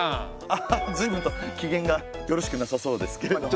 アハハ随分と機嫌がよろしくなさそうですけれども。